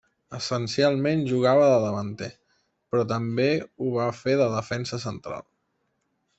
Essencialment jugava de davanter, però també ho va fer de defensa central.